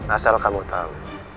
asal kamu tahu